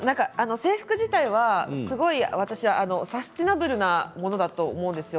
制服自体はサスティナブルなものだと思うんです。